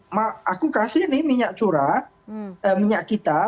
mbak aku kasih nih minyak curah minyak kita